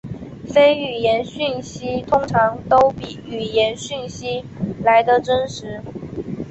非语言讯息通常都比语言讯息来得真实。